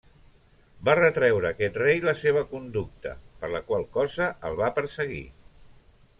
Va retreure a aquest rei la seva conducta, per la qual cosa el va perseguir.